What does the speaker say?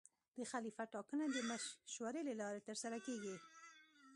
د خلیفه ټاکنه د مشورې له لارې ترسره کېږي.